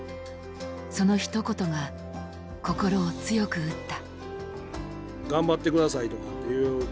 そのひと言が心を強く打った。